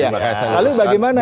hal ini bagaimana